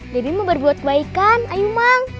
debbie mau berbuat kebaikan ayo mang